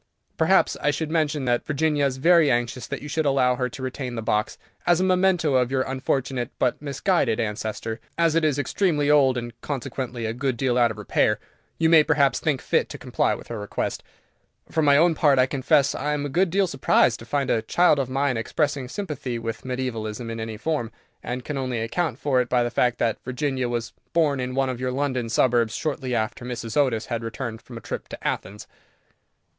Perhaps I should mention that Virginia is very anxious that you should allow her to retain the box, as a memento of your unfortunate but misguided ancestor. As it is extremely old, and consequently a good deal out of repair, you may perhaps think fit to comply with her request. For my own part, I confess I am a good deal surprised to find a child of mine expressing sympathy with mediævalism in any form, and can only account for it by the fact that Virginia was born in one of your London suburbs shortly after Mrs. Otis had returned from a trip to Athens."